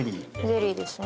ゼリーですね。